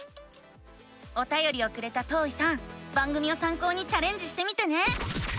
おたよりをくれたとういさん番組をさん考にチャレンジしてみてね！